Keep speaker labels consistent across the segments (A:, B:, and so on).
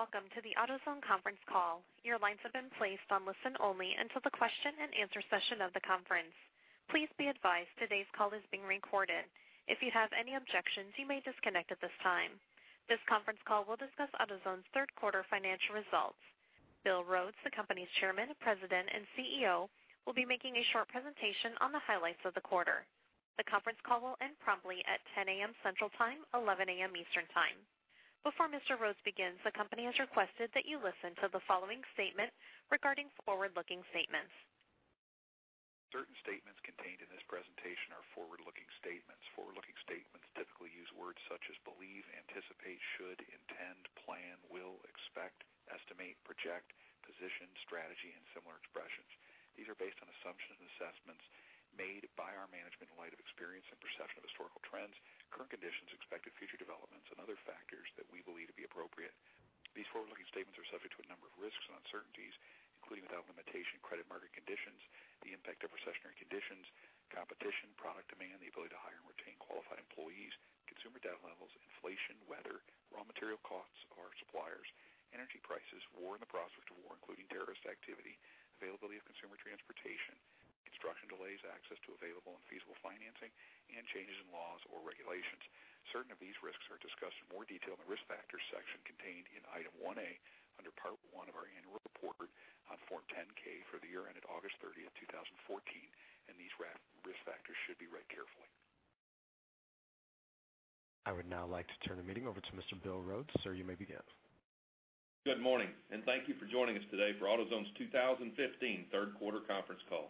A: Welcome to the AutoZone conference call. Your lines have been placed on listen only until the question and answer session of the conference. Please be advised today's call is being recorded. If you have any objections, you may disconnect at this time. This conference call will discuss AutoZone's third quarter financial results. Bill Rhodes, the company's Chairman, President, and CEO, will be making a short presentation on the highlights of the quarter. The conference call will end promptly at 10:00 A.M. Central Time, 11:00 A.M. Eastern Time. Before Mr. Rhodes begins, the company has requested that you listen to the following statement regarding forward-looking statements.
B: Certain statements contained in this presentation are forward-looking statements. Forward-looking statements typically use words such as believe, anticipate, should, intend, plan, will, expect, estimate, project, position, strategy, and similar expressions. These are based on assumptions and assessments made by our management in light of experience and perception of historical trends, current conditions, expected future developments, and other factors that we believe to be appropriate. These forward-looking statements are subject to a number of risks and uncertainties, including, without limitation, credit market conditions, the impact of recessionary conditions, competition, product demand, the ability to hire and retain qualified employees, consumer debt levels, inflation, weather, raw material costs, our suppliers, energy prices, war and the prospect of war, including terrorist activity, availability of consumer transportation, construction delays, access to available and feasible financing, and changes in laws or regulations. Certain of these risks are discussed in more detail in the Risk Factors section contained in Item 1A under Part 1 of our annual report on Form 10-K for the year ended August 30th, 2014. These risk factors should be read carefully.
A: I would now like to turn the meeting over to Mr. Bill Rhodes. Sir, you may begin.
C: Good morning, thank you for joining us today for AutoZone's 2015 third quarter conference call.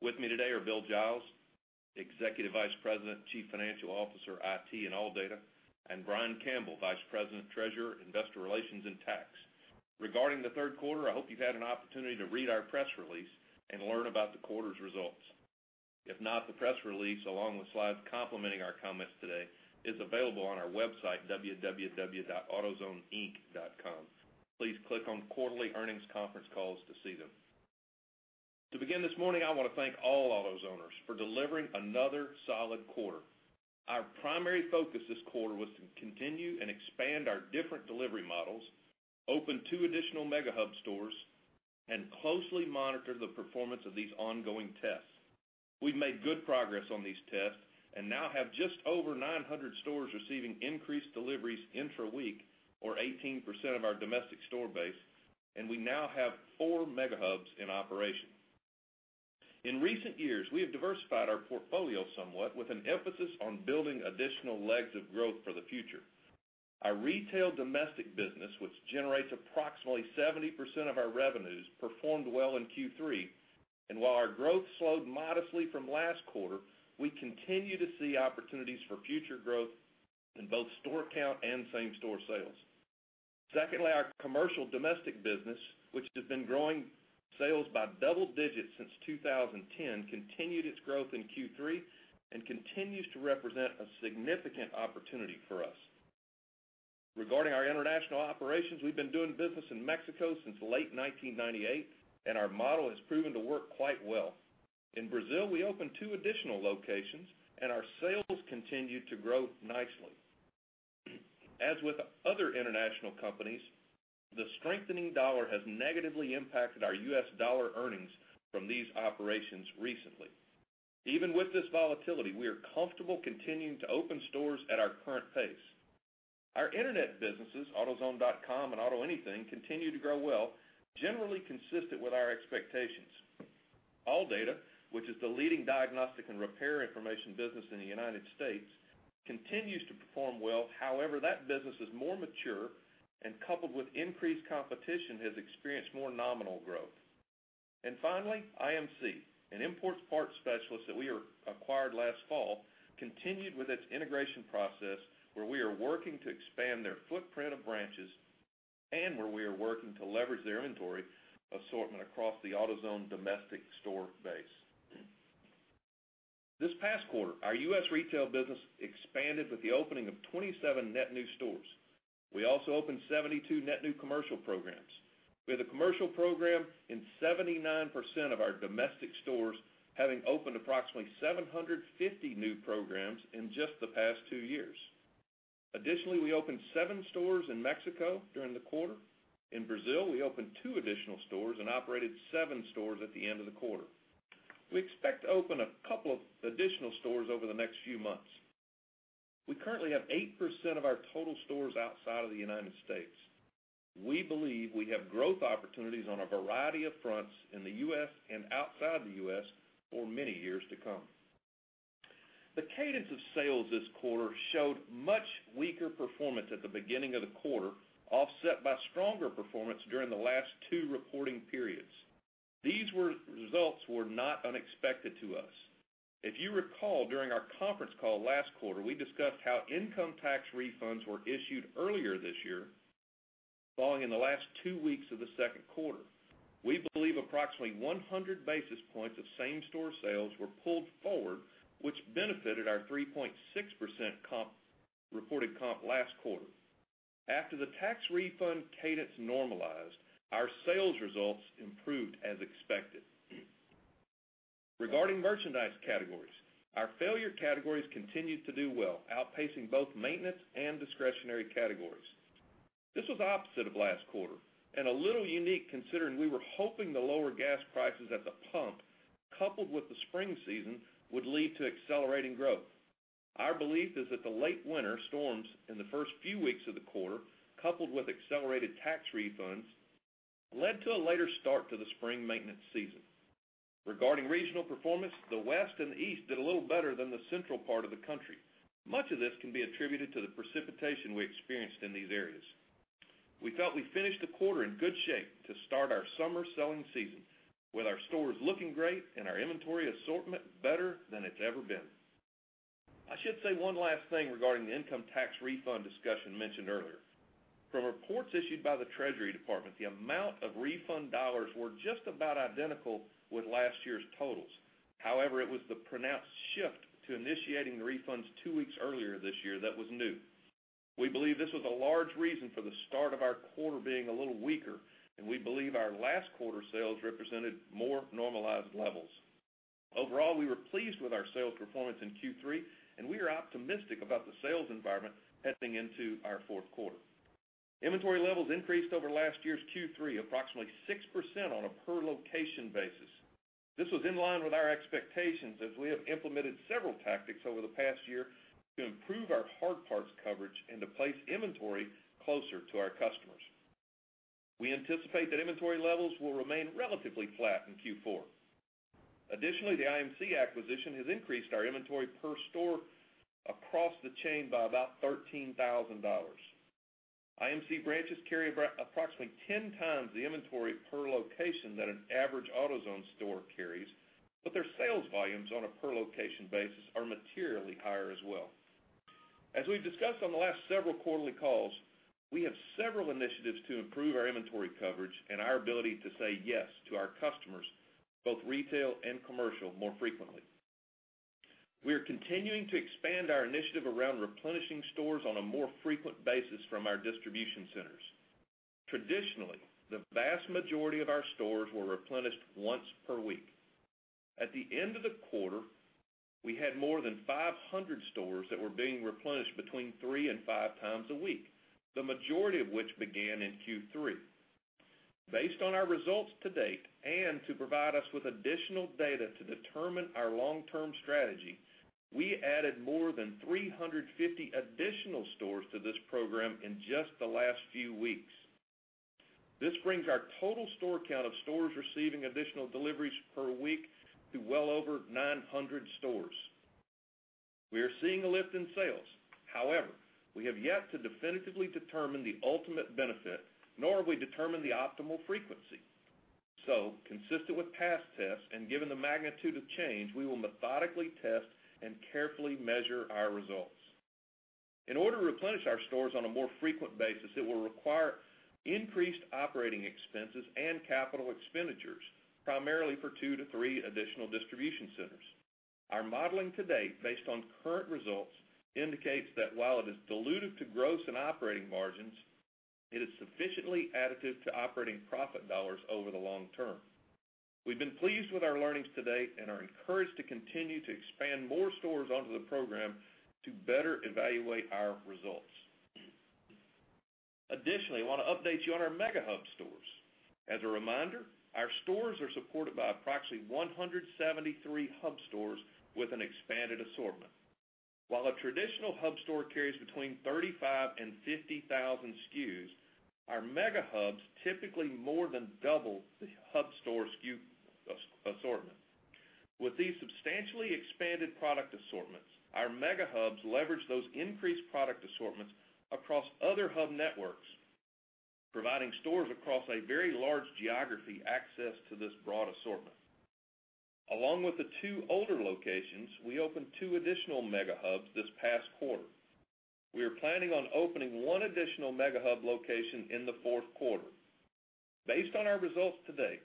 C: With me today are Bill Giles, Executive Vice President, Chief Financial Officer, IT, and ALLDATA, and Brian Campbell, Vice President, Treasurer, Investor Relations, and Tax. Regarding the third quarter, I hope you've had an opportunity to read our press release and learn about the quarter's results. If not, the press release, along with slides complementing our comments today, is available on our website, autozoneinc.com. Please click on Quarterly Earnings Conference Calls to see them. To begin this morning, I want to thank all AutoZoners for delivering another solid quarter. Our primary focus this quarter was to continue and expand our different delivery models, open two additional Mega Hub stores, and closely monitor the performance of these ongoing tests. We've made good progress on these tests and now have just over 900 stores receiving increased deliveries intra-week or 18% of our domestic store base, and we now have four Mega Hubs in operation. In recent years, we have diversified our portfolio somewhat with an emphasis on building additional legs of growth for the future. Our retail domestic business, which generates approximately 70% of our revenues, performed well in Q3. While our growth slowed modestly from last quarter, we continue to see opportunities for future growth in both store count and same-store sales. Secondly, our commercial domestic business, which has been growing sales by double digits since 2010, continued its growth in Q3 and continues to represent a significant opportunity for us. Regarding our international operations, we've been doing business in Mexico since late 1998, and our model has proven to work quite well. In Brazil, we opened two additional locations and our sales continued to grow nicely. As with other international companies, the strengthening dollar has negatively impacted our US dollar earnings from these operations recently. Even with this volatility, we are comfortable continuing to open stores at our current pace. Our internet businesses, autozone.com and AutoAnything, continue to grow well, generally consistent with our expectations. ALLDATA, which is the leading diagnostic and repair information business in the United States, continues to perform well. However, that business is more mature and, coupled with increased competition, has experienced more nominal growth. Finally, IMC, an import parts specialist that we acquired last fall, continued with its integration process where we are working to expand their footprint of branches and where we are working to leverage their inventory assortment across the AutoZone domestic store base. This past quarter, our U.S. retail business expanded with the opening of 27 net new stores. We also opened 72 net new commercial programs. We have a commercial program in 79% of our domestic stores, having opened approximately 750 new programs in just the past two years. Additionally, we opened seven stores in Mexico during the quarter. In Brazil, we opened two additional stores and operated seven stores at the end of the quarter. We expect to open a couple of additional stores over the next few months. We currently have 8% of our total stores outside of the United States. We believe we have growth opportunities on a variety of fronts in the U.S. and outside the U.S. for many years to come. The cadence of sales this quarter showed much weaker performance at the beginning of the quarter, offset by stronger performance during the last two reporting periods. These results were not unexpected to us. If you recall, during our conference call last quarter, we discussed how income tax refunds were issued earlier this year, falling in the last two weeks of the second quarter. We believe approximately 100 basis points of same-store sales were pulled forward, which benefited our 3.6% reported comp last quarter. After the tax refund cadence normalized, our sales results improved as expected. Regarding merchandise categories, our failure categories continued to do well, outpacing both maintenance and discretionary categories. This was opposite of last quarter, and a little unique considering we were hoping the lower gas prices at the pump, coupled with the spring season, would lead to accelerating growth. Our belief is that the late winter storms in the first few weeks of the quarter, coupled with accelerated tax refunds, led to a later start to the spring maintenance season. Regarding regional performance, the West and the East did a little better than the central part of the country. Much of this can be attributed to the precipitation we experienced in these areas. We felt we finished the quarter in good shape to start our summer selling season, with our stores looking great and our inventory assortment better than it's ever been. I should say one last thing regarding the income tax refund discussion mentioned earlier. From reports issued by the Treasury Department, the amount of refund dollars were just about identical with last year's totals. It was the pronounced shift to initiating the refunds two weeks earlier this year that was new. We believe this was a large reason for the start of our quarter being a little weaker, and we believe our last quarter sales represented more normalized levels. Overall, we were pleased with our sales performance in Q3, and we are optimistic about the sales environment heading into our fourth quarter. Inventory levels increased over last year's Q3, approximately 6% on a per location basis. This was in line with our expectations as we have implemented several tactics over the past year to improve our hard parts coverage and to place inventory closer to our customers. We anticipate that inventory levels will remain relatively flat in Q4. Additionally, the IMC acquisition has increased our inventory per store across the chain by about $13,000. IMC branches carry approximately 10 times the inventory per location that an average AutoZone store carries, but their sales volumes on a per location basis are materially higher as well. As we've discussed on the last several quarterly calls, we have several initiatives to improve our inventory coverage and our ability to say yes to our customers, both retail and commercial, more frequently. We are continuing to expand our initiative around replenishing stores on a more frequent basis from our distribution centers. Traditionally, the vast majority of our stores were replenished once per week. At the end of the quarter, we had more than 500 stores that were being replenished between three and five times a week, the majority of which began in Q3. Based on our results to date, and to provide us with additional data to determine our long-term strategy, we added more than 350 additional stores to this program in just the last few weeks. This brings our total store count of stores receiving additional deliveries per week to well over 900 stores. We are seeing a lift in sales. However, we have yet to definitively determine the ultimate benefit, nor have we determined the optimal frequency. Consistent with past tests and given the magnitude of change, we will methodically test and carefully measure our results. In order to replenish our stores on a more frequent basis, it will require increased operating expenses and CapEx, primarily for 2 to 3 additional distribution centers. Our modeling to date based on current results indicates that while it is dilutive to gross and operating margins, it is sufficiently additive to operating profit dollars over the long term. We've been pleased with our learnings to date and are encouraged to continue to expand more stores onto the program to better evaluate our results. Additionally, I want to update you on our Mega Hub stores. As a reminder, our stores are supported by approximately 173 hub stores with an expanded assortment. While a traditional hub store carries between 35,000 and 50,000 SKUs, our Mega Hubs typically more than double the hub store SKU assortment. With these substantially expanded product assortments, our Mega Hubs leverage those increased product assortments across other hub networks, providing stores across a very large geography access to this broad assortment. Along with the two older locations, we opened two additional Mega Hubs this past quarter. We are planning on opening one additional Mega Hub location in the fourth quarter. Based on our results to date,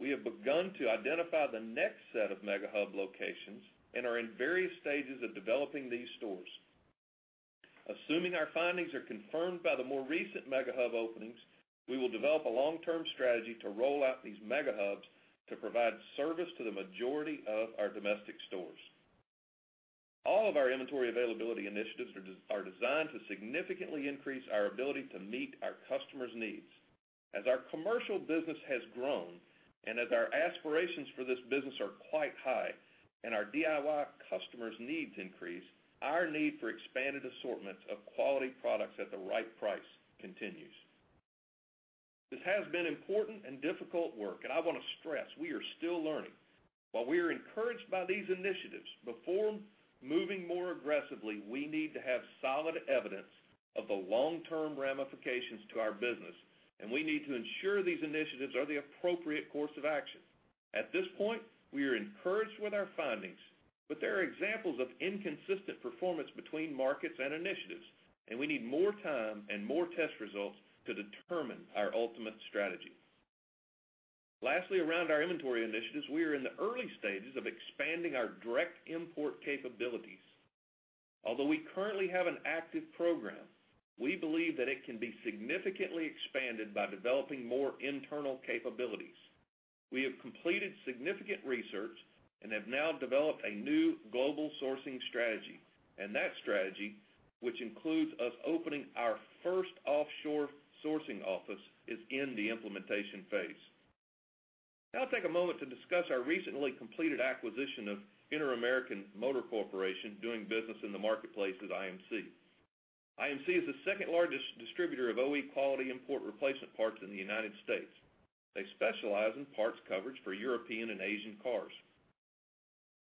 C: we have begun to identify the next set of Mega Hub locations and are in various stages of developing these stores. Assuming our findings are confirmed by the more recent Mega Hub openings, we will develop a long-term strategy to roll out these Mega Hubs to provide service to the majority of our domestic stores. All of our inventory availability initiatives are designed to significantly increase our ability to meet our customers' needs. As our commercial business has grown and as our aspirations for this business are quite high and our DIY customers' needs increase, our need for expanded assortments of quality products at the right price continues. This has been important and difficult work, and I want to stress we are still learning. While we are encouraged by these initiatives, before moving more aggressively, we need to have solid evidence of the long-term ramifications to our business, and we need to ensure these initiatives are the appropriate course of action. At this point, we are encouraged with our findings, but there are examples of inconsistent performance between markets and initiatives, and we need more time and more test results to determine our ultimate strategy. Lastly, around our inventory initiatives, we are in the early stages of expanding our direct import capabilities. Although we currently have an active program, we believe that it can be significantly expanded by developing more internal capabilities. We have completed significant research and have now developed a new global sourcing strategy. That strategy, which includes us opening our first offshore sourcing office, is in the implementation phase. I'll take a moment to discuss our recently completed acquisition of Interamerican Motor Corporation, doing business in the marketplace as IMC. IMC is the second largest distributor of OE quality import replacement parts in the U.S. They specialize in parts coverage for European and Asian cars.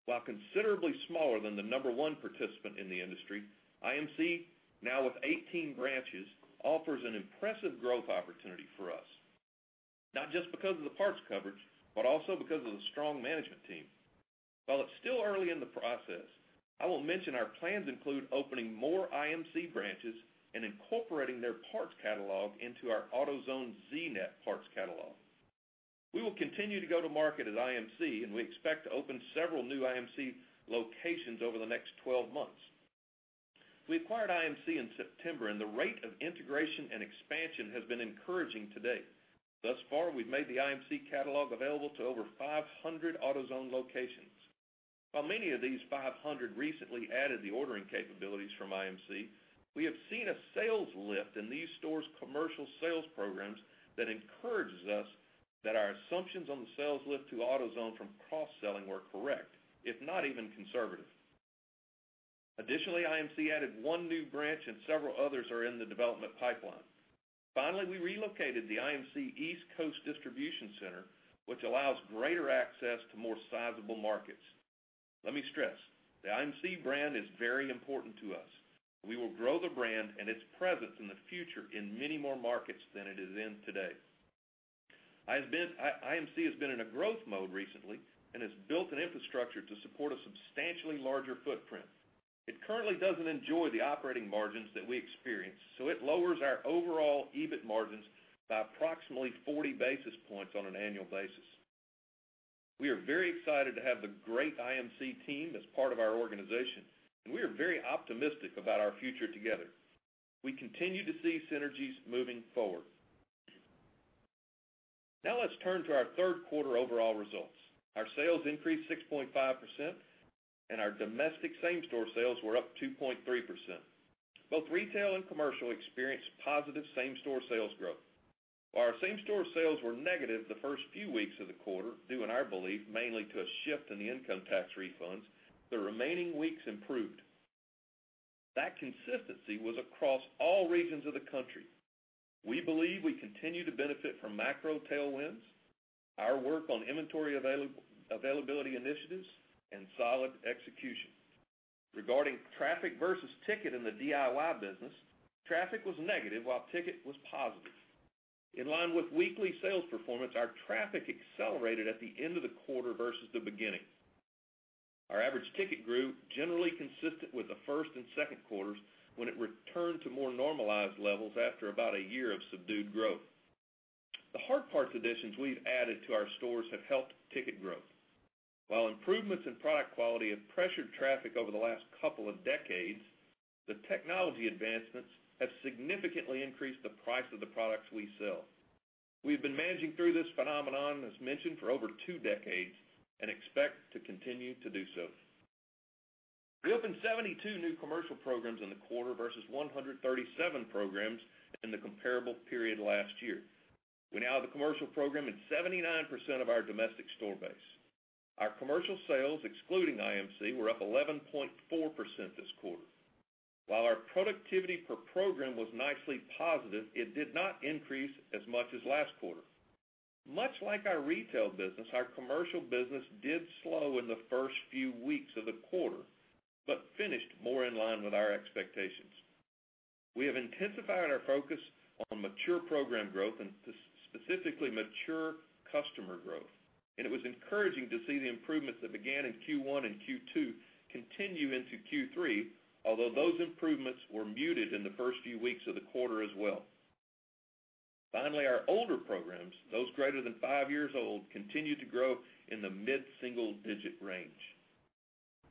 C: While considerably smaller than the number one participant in the industry, IMC, now with 18 branches, offers an impressive growth opportunity for us, not just because of the parts coverage, but also because of the strong management team. While it's still early in the process, I will mention our plans include opening more IMC branches and incorporating their parts catalog into our AutoZone Znet parts catalog. We will continue to go to market as IMC, and we expect to open several new IMC locations over the next 12 months. We acquired IMC in September, and the rate of integration and expansion has been encouraging to date. Thus far, we've made the IMC catalog available to over 500 AutoZone locations. While many of these 500 recently added the ordering capabilities from IMC, we have seen a sales lift in these stores' commercial sales programs that encourages us that our assumptions on the sales lift to AutoZone from cross-selling were correct, if not even conservative. Additionally, IMC added one new branch and several others are in the development pipeline. Finally, we relocated the IMC East Coast distribution center, which allows greater access to more sizable markets. Let me stress, the IMC brand is very important to us. We will grow the brand and its presence in the future in many more markets than it is in today. IMC has been in a growth mode recently and has built an infrastructure to support a substantially larger footprint. It currently doesn't enjoy the operating margins that we experience, so it lowers our overall EBIT margins by approximately 40 basis points on an annual basis. We are very excited to have the great IMC team as part of our organization, and we are very optimistic about our future together. We continue to see synergies moving forward. Now let's turn to our third quarter overall results. Our sales increased 6.5%, and our domestic same-store sales were up 2.3%. Both retail and commercial experienced positive same-store sales growth. While our same-store sales were negative the first few weeks of the quarter, due in our belief mainly to a shift in the income tax refunds, the remaining weeks improved. That consistency was across all regions of the country. We believe we continue to benefit from macro tailwinds, our work on inventory availability initiatives, and solid execution. Regarding traffic versus ticket in the DIY business, traffic was negative while ticket was positive. In line with weekly sales performance, our traffic accelerated at the end of the quarter versus the beginning. Our average ticket grew, generally consistent with the first and second quarters when it returned to more normalized levels after about a year of subdued growth. The hard parts additions we've added to our stores have helped ticket growth. While improvements in product quality have pressured traffic over the last couple of decades, the technology advancements have significantly increased the price of the products we sell. We've been managing through this phenomenon, as mentioned, for over two decades and expect to continue to do so. We opened 72 new commercial programs in the quarter versus 137 programs in the comparable period last year. We now have a commercial program in 79% of our domestic store base. Our commercial sales, excluding IMC, were up 11.4% this quarter. While our productivity per program was nicely positive, it did not increase as much as last quarter. Much like our retail business, our commercial business did slow in the first few weeks of the quarter, but finished more in line with our expectations. We have intensified our focus on mature program growth and specifically mature customer growth, and it was encouraging to see the improvements that began in Q1 and Q2 continue into Q3 although those improvements were muted in the first few weeks of the quarter as well. Finally, our older programs, those greater than five years old, continue to grow in the mid-single digit range.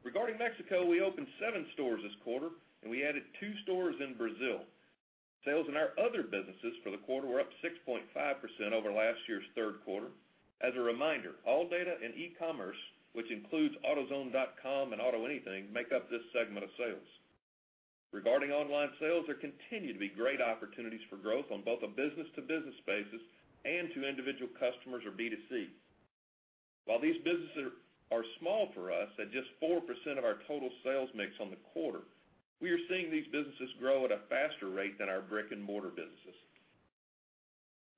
C: Regarding Mexico, we opened seven stores this quarter and we added two stores in Brazil. Sales in our other businesses for the quarter were up 6.5% over last year's third quarter. As a reminder, ALLDATA in e-commerce, which includes autozone.com and AutoAnything, make up this segment of sales. Regarding online sales, there continue to be great opportunities for growth on both a business-to-business basis and to individual customers or B2C. While these businesses are small for us, at just 4% of our total sales mix on the quarter, we are seeing these businesses grow at a faster rate than our brick-and-mortar businesses.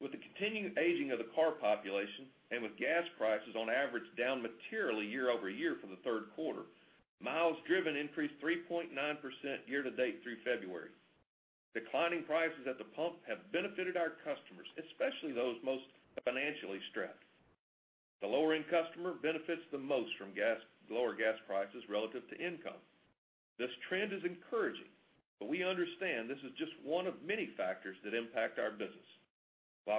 C: With the continuing aging of the car population, and with gas prices on average down materially year-over-year for the third quarter, miles driven increased 3.9% year-to-date through February. Declining prices at the pump have benefited our customers, especially those most financially strapped. The lower-end customer benefits the most from lower gas prices relative to income. This trend is encouraging, We understand this is just one of many factors that impact our business.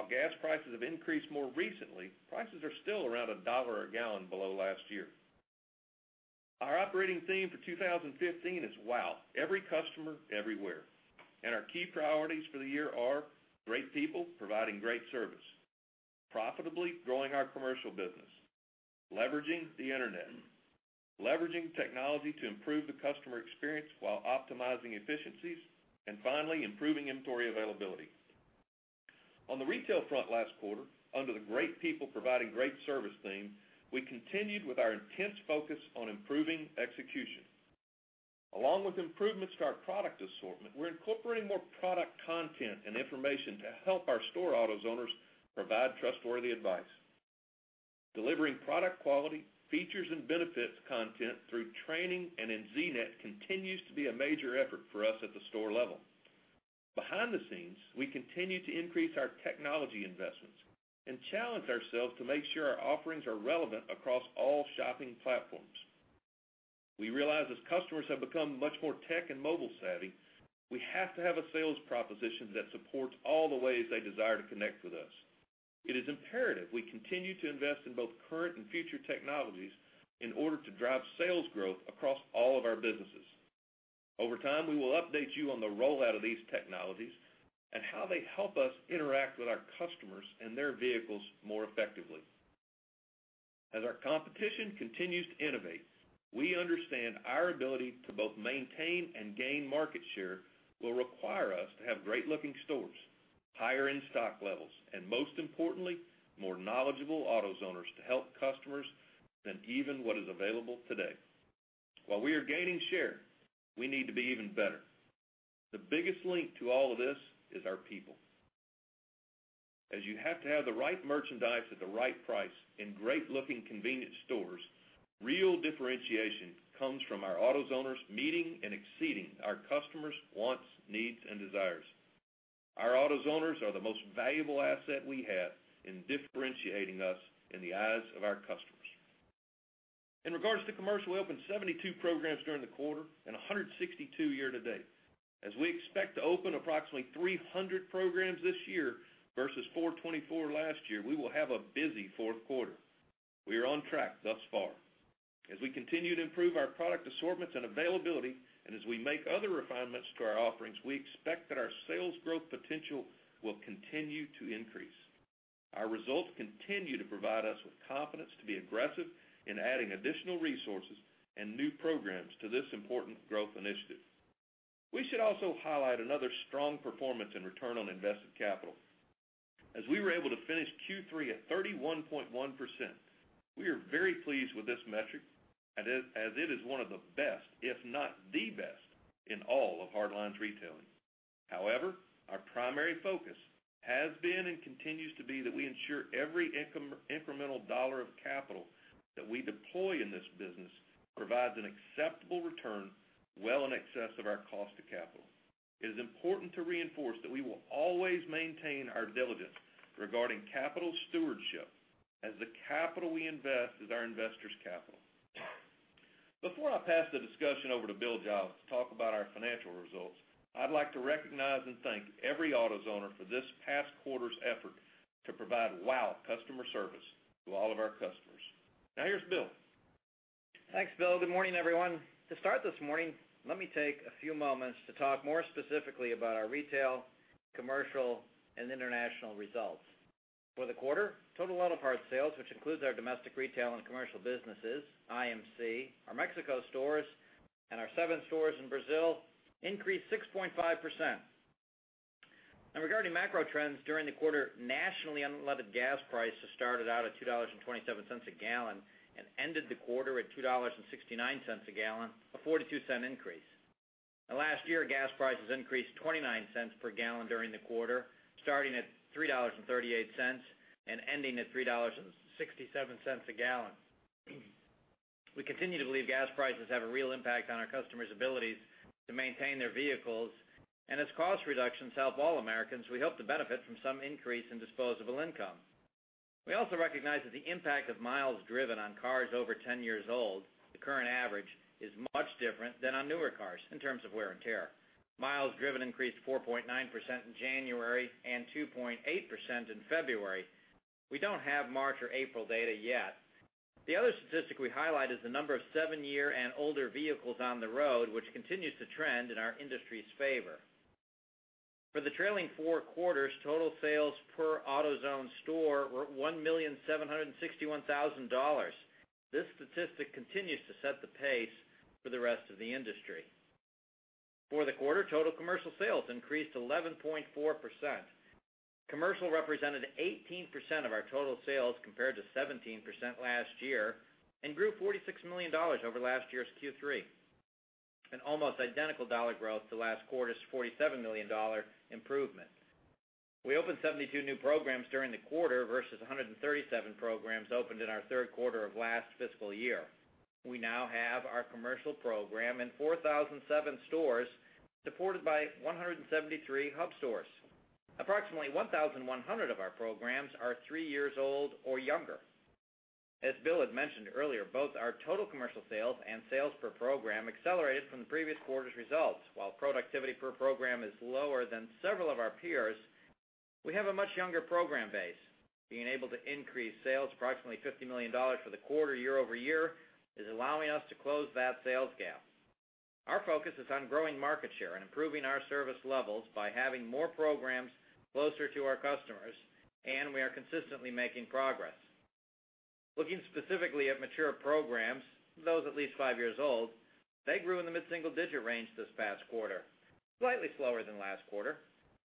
C: Gas prices have increased more recently, prices are still around $1 a gallon below last year. Our operating theme for 2015 is "Wow every customer everywhere." Our key priorities for the year are great people providing great service, profitably growing our commercial business, leveraging the internet, leveraging technology to improve the customer experience while optimizing efficiencies, and finally, improving inventory availability. On the retail front last quarter, under the great people providing great service theme, we continued with our intense focus on improving execution. Along with improvements to our product assortment, we're incorporating more product content and information to help our store AutoZoners provide trustworthy advice. Delivering product quality, features, and benefits content through training and in Znet continues to be a major effort for us at the store level. Behind the scenes, we continue to increase our technology investments and challenge ourselves to make sure our offerings are relevant across all shopping platforms. We realize as customers have become much more tech and mobile savvy, we have to have a sales proposition that supports all the ways they desire to connect with us. It is imperative we continue to invest in both current and future technologies in order to drive sales growth across all of our businesses. Over time, we will update you on the rollout of these technologies and how they help us interact with our customers and their vehicles more effectively. Our competition continues to innovate, we understand our ability to both maintain and gain market share will require us to have great-looking stores, higher in-stock levels, and most importantly, more knowledgeable AutoZoners to help customers than even what is available today. While we are gaining share, we need to be even better. The biggest link to all of this is our people. You have to have the right merchandise at the right price in great-looking convenience stores, real differentiation comes from our AutoZoners meeting and exceeding our customers' wants, needs, and desires. Our AutoZoners are the most valuable asset we have in differentiating us in the eyes of our customers. In regards to commercial, we opened 72 programs during the quarter and 162 year to date. We expect to open approximately 300 programs this year versus 424 last year, we will have a busy fourth quarter. We are on track thus far. We continue to improve our product assortments and availability, and as we make other refinements to our offerings, we expect that our sales growth potential will continue to increase. Our results continue to provide us with confidence to be aggressive in adding additional resources and new programs to this important growth initiative. We should also highlight another strong performance in return on invested capital. We were able to finish Q3 at 31.1%, we are very pleased with this metric, as it is one of the best, if not the best, in all of hardlines retailing. Our primary focus has been and continues to be that we ensure every incremental dollar of capital that we deploy in this business provides an acceptable return well in excess of our cost of capital. It is important to reinforce that we will always maintain our diligence regarding capital stewardship as the capital we invest is our investors' capital. Before I pass the discussion over to Bill Giles to talk about our financial results, I'd like to recognize and thank every AutoZoner for this past quarter's effort to provide wow customer service to all of our customers. Here's Bill.
D: Thanks, Bill. Good morning, everyone. To start this morning, let me take a few moments to talk more specifically about our retail, commercial, and international results. For the quarter, total unlevered hard sales, which includes our domestic retail and commercial businesses, IMC, our Mexico stores, and our seven stores in Brazil, increased 6.5%. Regarding macro trends during the quarter, nationally unleaded gas prices started out at $2.27 a gallon and ended the quarter at $2.69 a gallon, a $0.42 increase. Last year, gas prices increased $0.29 per gallon during the quarter, starting at $3.38 and ending at $3.67 a gallon. We continue to believe gas prices have a real impact on our customers' abilities to maintain their vehicles, and cost reductions help all Americans, we hope to benefit from some increase in disposable income. We also recognize that the impact of miles driven on cars over 10 years old, the current average, is much different than on newer cars in terms of wear and tear. Miles driven increased 4.9% in January and 2.8% in February. We don't have March or April data yet. The other statistic we highlight is the number of seven-year and older vehicles on the road, which continues to trend in our industry's favor. For the trailing four quarters, total sales per AutoZone store were $1,761,000. This statistic continues to set the pace for the rest of the industry. For the quarter, total commercial sales increased 11.4%. Commercial represented 18% of our total sales compared to 17% last year and grew $46 million over last year's Q3. An almost identical dollar growth to last quarter's $47 million improvement. We opened 72 new programs during the quarter versus 137 programs opened in our third quarter of last fiscal year. We now have our commercial program in 4,007 stores, supported by 173 hub stores. Approximately 1,100 of our programs are three years old or younger. As Bill had mentioned earlier, both our total commercial sales and sales per program accelerated from the previous quarter's results. While productivity per program is lower than several of our peers, we have a much younger program base. Being able to increase sales approximately $50 million for the quarter year-over-year is allowing us to close that sales gap. Our focus is on growing market share and improving our service levels by having more programs closer to our customers, we are consistently making progress. Looking specifically at mature programs, those at least five years old, they grew in the mid-single digit range this past quarter, slightly slower than last quarter.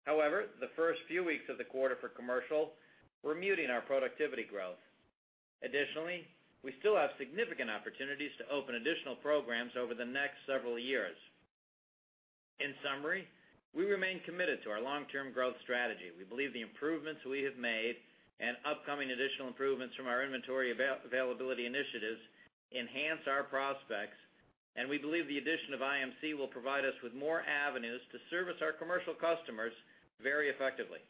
D: However, the first few weeks of the quarter for commercial were muting our productivity growth. Additionally, we still have significant opportunities to open additional programs over the next several years. In summary, we remain committed to our long-term growth strategy. We believe the improvements we have made and upcoming additional improvements from our inventory availability initiatives enhance our prospects, we believe the addition of IMC will provide us with more avenues to service our commercial customers very effectively.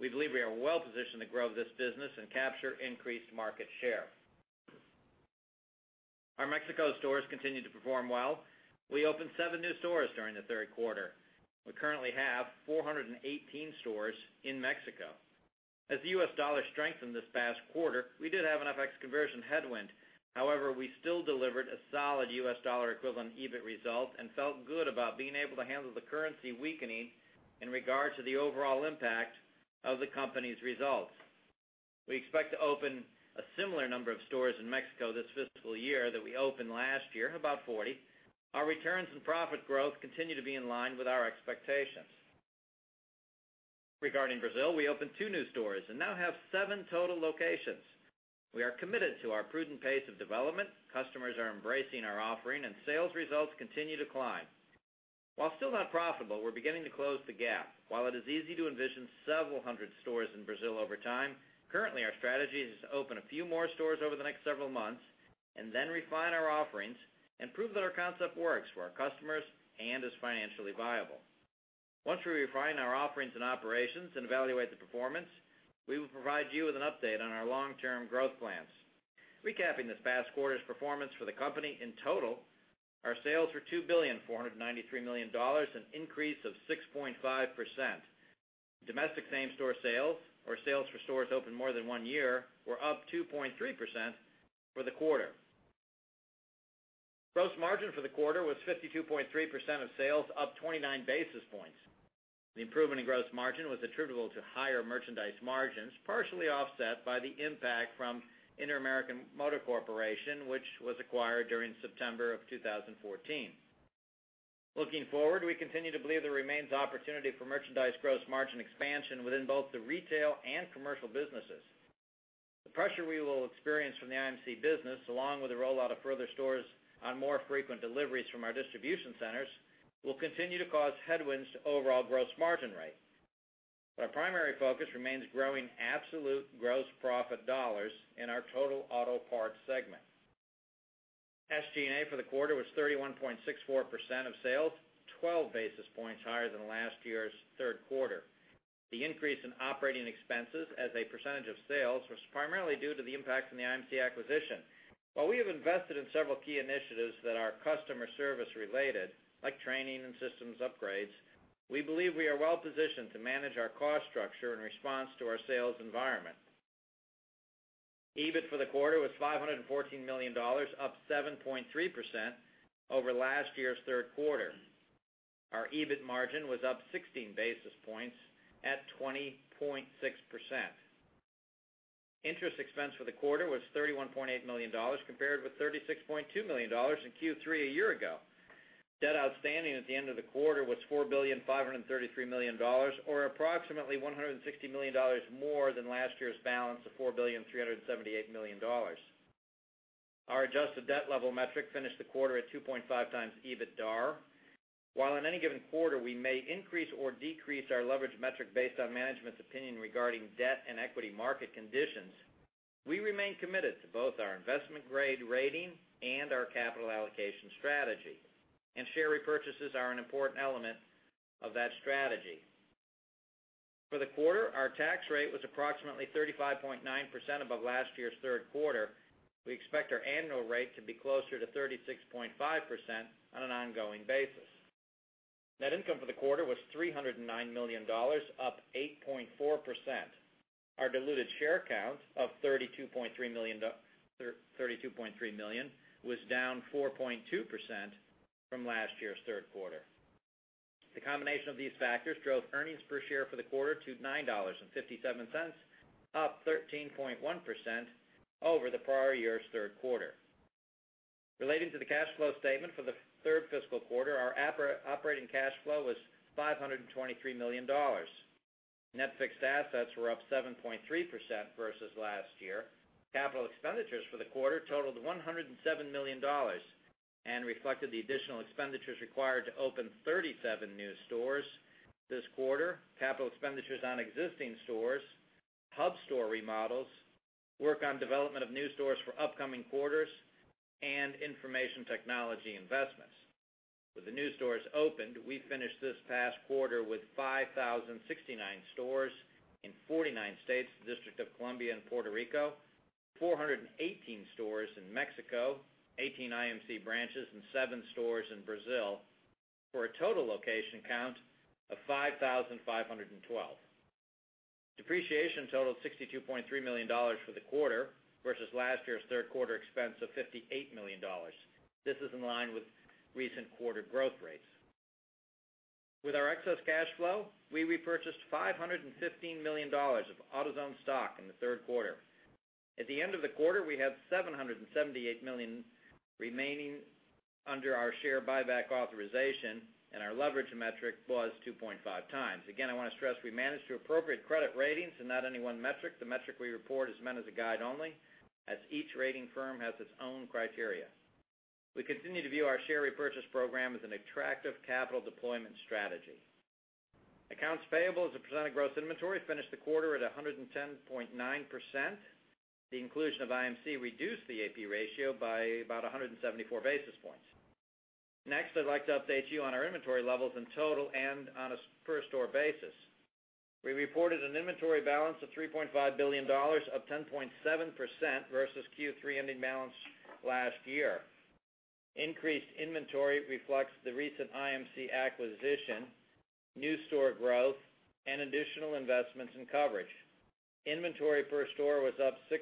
D: We believe we are well positioned to grow this business and capture increased market share. Our Mexico stores continue to perform well. We opened seven new stores during the third quarter. We currently have 418 stores in Mexico. As the U.S. dollar strengthened this past quarter, we did have an FX conversion headwind. However, we still delivered a solid U.S. dollar equivalent EBIT result and felt good about being able to handle the currency weakening in regard to the overall impact of the company's results. We expect to open a similar number of stores in Mexico this fiscal year that we opened last year, about 40. Our returns and profit growth continue to be in line with our expectations. Regarding Brazil, we opened two new stores and now have seven total locations. We are committed to our prudent pace of development. Customers are embracing our offering, sales results continue to climb. While still not profitable, we're beginning to close the gap. While it is easy to envision several hundred stores in Brazil over time, currently our strategy is to open a few more stores over the next several months and then refine our offerings and prove that our concept works for our customers and is financially viable. Once we refine our offerings and operations and evaluate the performance, we will provide you with an update on our long-term growth plans. Recapping this past quarter's performance for the company in total, our sales were $2,493,000,000, an increase of 6.5%. Domestic same-store sales or sales for stores open more than one year were up 2.3% for the quarter. Gross margin for the quarter was 52.3% of sales, up 29 basis points. The improvement in gross margin was attributable to higher merchandise margins, partially offset by the impact from Interamerican Motor Corporation, which was acquired during September of 2014. Looking forward, we continue to believe there remains opportunity for merchandise gross margin expansion within both the retail and commercial businesses. The pressure we will experience from the IMC business, along with the rollout of further stores on more frequent deliveries from our distribution centers, will continue to cause headwinds to overall gross margin rate. Our primary focus remains growing absolute gross profit dollars in our total auto parts segment. SG&A for the quarter was 31.64% of sales, 12 basis points higher than last year's third quarter. The increase in operating expenses as a percentage of sales was primarily due to the impact from the IMC acquisition. While we have invested in several key initiatives that are customer service related, like training and systems upgrades, we believe we are well positioned to manage our cost structure in response to our sales environment. EBIT for the quarter was $514 million, up 7.3% over last year's third quarter. Our EBIT margin was up 16 basis points at 20.6%. Interest expense for the quarter was $31.8 million, compared with $36.2 million in Q3 a year ago. Debt outstanding at the end of the quarter was $4,533,000,000, or approximately $160 million more than last year's balance of $4,378,000,000. Our adjusted debt level metric finished the quarter at 2.5 times EBITDAR. While in any given quarter we may increase or decrease our leverage metric based on management's opinion regarding debt and equity market conditions, we remain committed to both our investment grade rating and our capital allocation strategy, and share repurchases are an important element of that strategy. For the quarter, our tax rate was approximately 35.9% above last year's third quarter. We expect our annual rate to be closer to 36.5% on an ongoing basis. Net income for the quarter was $309 million, up 8.4%. Our diluted share count of 32.3 million was down 4.2% from last year's third quarter. The combination of these factors drove earnings per share for the quarter to $9.57, up 13.1% over the prior year's third quarter. Relating to the cash flow statement for the third fiscal quarter, our operating cash flow was $523 million. Net fixed assets were up 7.3% versus last year. Capital expenditures for the quarter totaled $107 million and reflected the additional expenditures required to open 37 new stores this quarter. Capital expenditures on existing stores, hub store remodels, work on development of new stores for upcoming quarters, and information technology investments. With the new stores opened, we finished this past quarter with 5,069 stores in 49 states, the District of Columbia and Puerto Rico, 418 stores in Mexico, 18 IMC branches and 7 stores in Brazil for a total location count of 5,512. Depreciation totaled $62.3 million for the quarter versus last year's third quarter expense of $58 million. This is in line with recent quarter growth rates. With our excess cash flow, we repurchased $515 million of AutoZone stock in the third quarter. At the end of the quarter, we had $778 million remaining under our share buyback authorization, and our leverage metric was 2.5 times. I want to stress we manage to appropriate credit ratings and not any one metric. The metric we report is meant as a guide only, as each rating firm has its own criteria. We continue to view our share repurchase program as an attractive capital deployment strategy. Accounts payable as a percent of gross inventory finished the quarter at 110.9%. The inclusion of IMC reduced the AP ratio by about 174 basis points. I'd like to update you on our inventory levels in total and on a per store basis. We reported an inventory balance of $3.5 billion, up 10.7% versus Q3 ending balance last year. Increased inventory reflects the recent IMC acquisition, new store growth, and additional investments in coverage. Inventory per store was up 6%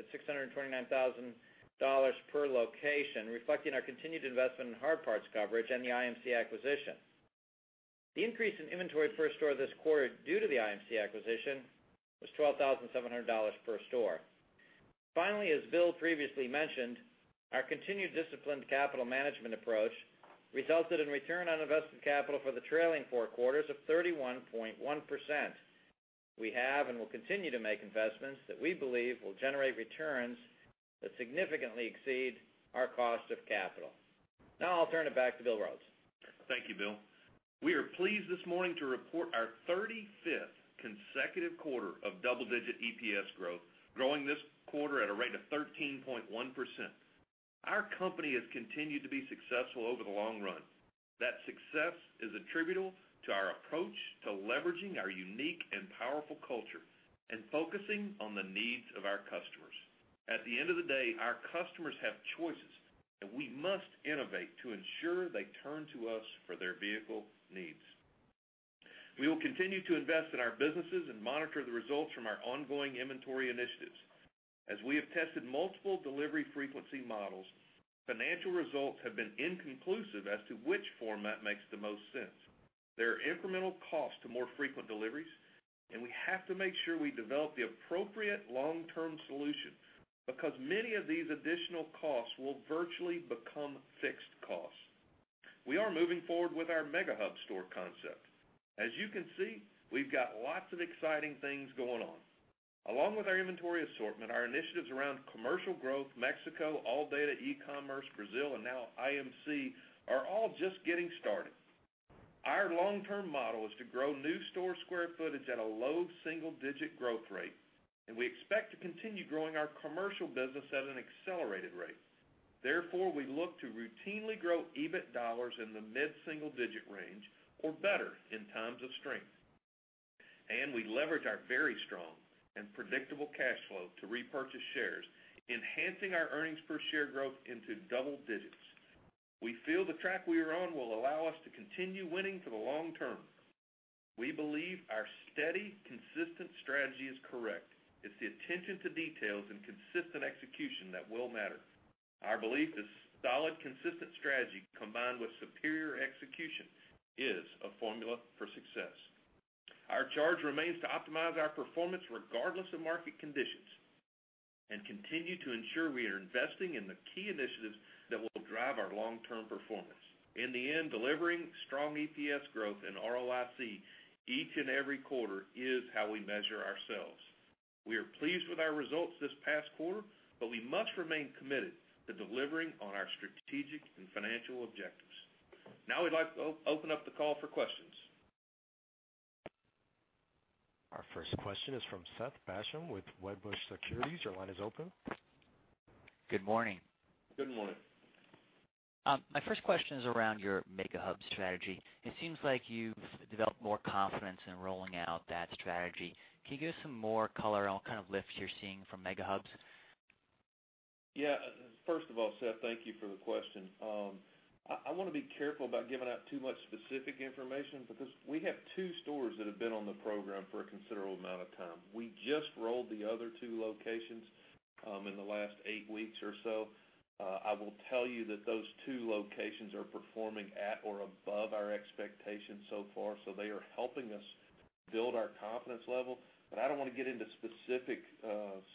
D: at $629,000 per location, reflecting our continued investment in hard parts coverage and the IMC acquisition. The increase in inventory per store this quarter due to the IMC acquisition was $12,700 per store. Finally, as Bill previously mentioned, our continued disciplined capital management approach resulted in return on invested capital for the trailing four quarters of 31.1%. We have and will continue to make investments that we believe will generate returns that significantly exceed our cost of capital. I'll turn it back to Bill Rhodes.
C: Thank you, Bill. We are pleased this morning to report our 35th consecutive quarter of double-digit EPS growth, growing this quarter at a rate of 13.1%. Our company has continued to be successful over the long run. That success is attributable to our approach to leveraging our unique and powerful culture and focusing on the needs of our customers. At the end of the day, our customers have choices, and we must innovate to ensure they turn to us for their vehicle needs. We will continue to invest in our businesses and monitor the results from our ongoing inventory initiatives. As we have tested multiple delivery frequency models, financial results have been inconclusive as to which format makes the most sense. There are incremental costs to more frequent deliveries, and we have to make sure we develop the appropriate long-term solution because many of these additional costs will virtually become fixed costs. We are moving forward with our Mega Hub store concept. As you can see, we've got lots of exciting things going on. Along with our inventory assortment, our initiatives around commercial growth, Mexico, ALLDATA, e-commerce, Brazil, and now IMC are all just getting started. Our long-term model is to grow new store square footage at a low single-digit growth rate, and we expect to continue growing our commercial business at an accelerated rate. Therefore, we look to routinely grow EBIT dollars in the mid-single digit range or better in times of strength. We leverage our very strong and predictable cash flow to repurchase shares, enhancing our earnings per share growth into double digits. We feel the track we are on will allow us to continue winning for the long term. We believe our steady, consistent strategy is correct. It's the attention to details and consistent execution that will matter. Our belief is solid, consistent strategy combined with superior execution is a formula for success. Our charge remains to optimize our performance regardless of market conditions and continue to ensure we are investing in the key initiatives that will drive our long-term performance. In the end, delivering strong EPS growth and ROIC each and every quarter is how we measure ourselves. We are pleased with our results this past quarter, but we must remain committed to delivering on our strategic and financial objectives. Now I'd like to open up the call for questions.
A: Our first question is from Seth Basham with Wedbush Securities. Your line is open.
E: Good morning.
C: Good morning.
E: My first question is around your Mega Hub strategy. It seems like you've developed more confidence in rolling out that strategy. Can you give us some more color on what kind of lift you're seeing from Mega Hubs?
C: Yeah. First of all, Seth, thank you for the question. I want to be careful about giving out too much specific information because we have two stores that have been on the program for a considerable amount of time. We just rolled the other two locations in the last eight weeks or so. I will tell you that those two locations are performing at or above our expectations so far, so they are helping us build our confidence level. I don't want to get into specific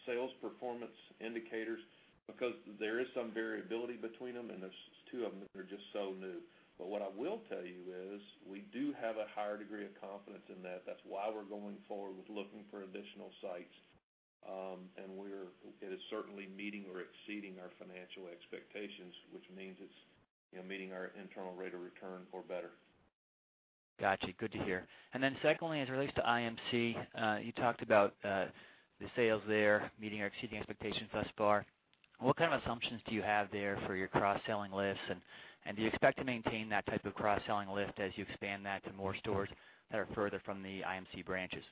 C: sales performance indicators because there is some variability between them, and there's two of them that are just so new. What I will tell you is we do have a higher degree of confidence in that. That's why we're going forward with looking for additional sites. It is certainly meeting or exceeding our financial expectations, which means it's meeting our internal rate of return or better.
E: Got you. Good to hear. Secondly, as it relates to IMC, you talked about the sales there meeting or exceeding expectations thus far. What kind of assumptions do you have there for your cross-selling lists, and do you expect to maintain that type of cross-selling list as you expand that to more stores that are further from the IMC branches?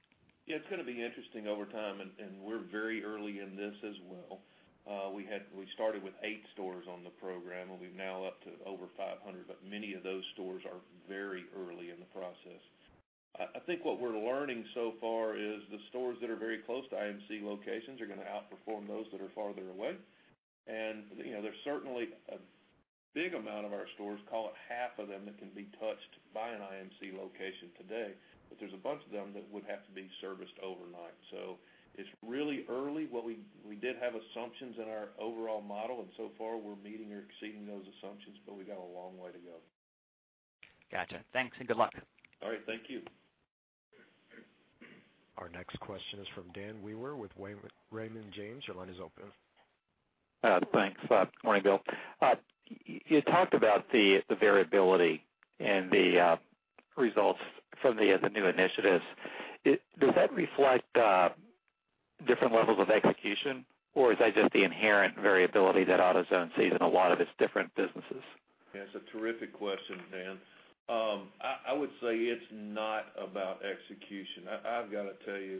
C: Yeah, it's going to be interesting over time, we're very early in this as well. We started with eight stores on the program, we're now up to over 500, many of those stores are very early in the process. I think what we're learning so far is the stores that are very close to IMC locations are going to outperform those that are farther away. There's certainly a big amount of our stores, call it half of them, that can be touched by an IMC location today. There's a bunch of them that would have to be serviced overnight. It's really early. We did have assumptions in our overall model, so far we're meeting or exceeding those assumptions, we've got a long way to go.
E: Got you. Thanks and good luck.
C: All right. Thank you.
A: Our next question is from Dan Wewer with Raymond James. Your line is open.
F: Thanks. Morning, Bill. You talked about the variability and the results from the new initiatives. Does that reflect different levels of execution, or is that just the inherent variability that AutoZone sees in a lot of its different businesses?
C: Yeah, it's a terrific question, Dan. I would say it's not about execution. I've got to tell you,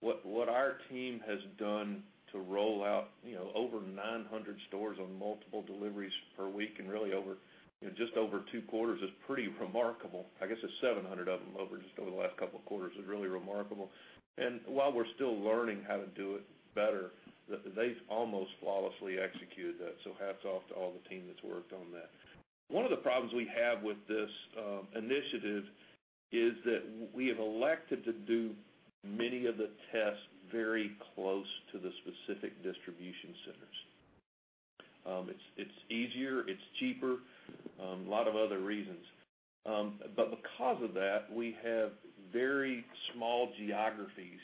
C: what our team has done to roll out over 900 stores on multiple deliveries per week and really in just over two quarters is pretty remarkable. I guess it's 700 of them over just the last couple of quarters is really remarkable. While we're still learning how to do it better, they've almost flawlessly executed that. Hats off to all the team that's worked on that. One of the problems we have with this initiative is that we have elected to do many of the tests very close to the specific distribution centers. It's easier, it's cheaper, a lot of other reasons. Because of that, we have very small geographies